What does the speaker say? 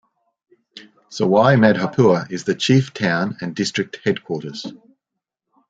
Sawai Madhopur is the chief town and district headquarters.